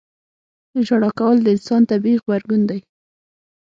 • ژړا کول د انسان طبیعي غبرګون دی.